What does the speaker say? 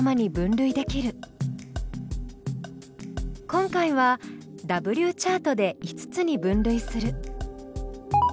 今回はＷチャートで５つに分類する。